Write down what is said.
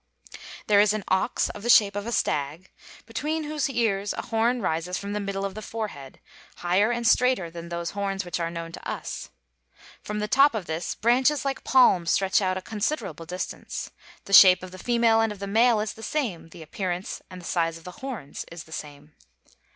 There is an ox of the shape of a stag, between whose ears a horn rises from the middle of the forehead, higher and straighter than those horns which are known to us. From the top of this, branches, like palms, stretch out a considerable distance. The shape of the female and of the male is the same; the appearance and the size of the horns is the same.